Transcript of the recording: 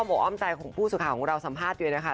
อะไรบอกว่าหัวอ้อมใจของผู้สุข่าวของเราสำหรับด้วยนะคะ